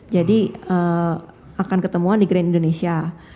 jadi akan ketemuan di grand indonesia